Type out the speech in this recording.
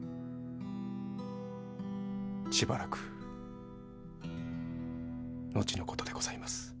しばらく後の事でございます。